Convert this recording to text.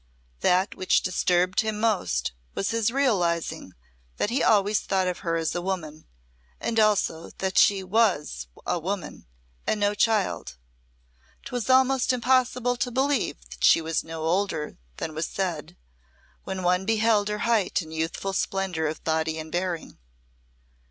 That which disturbed him most was his realising that he always thought of her as a woman and also that she was a woman and no child. 'Twas almost impossible to believe she was no older than was said, when one beheld her height and youthful splendour of body and bearing.